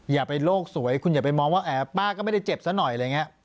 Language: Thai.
อย่าไปโลกสวยคุณอย่าไปมองว่าป้าก็ไม่ได้เจ็บซะหน่อยอะไรอย่างนี้